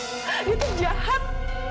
dia itu jahat